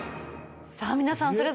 さあ皆さん